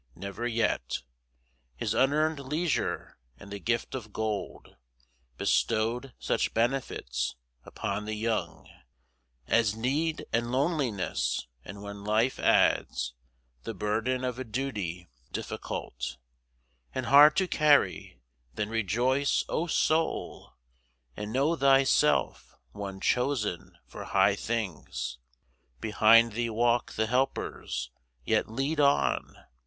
Never yet Has unearned leisure and the gift of gold Bestowed such benefits upon the young As need and loneliness; and when life adds The burden of a duty, difficult, And hard to carry, then rejoice, O soul! And know thyself one chosen for high things. Behind thee walk the Helpers. Yet lead on!